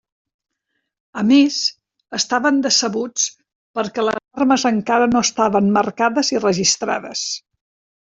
A més, estaven decebuts perquè les armes encara no estaven marcades i registrades.